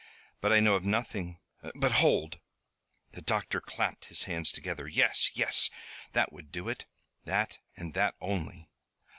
But I know of nothing But hold!" The doctor clapped his hands together. "Yes! yes! That would do it, that and that only."